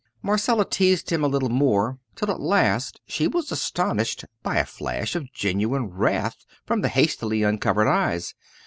Marcella teased him a little more till at last she was astonished by a flash of genuine wrath from the hastily uncovered eyes.